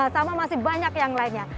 sama masih banyak yang lainnya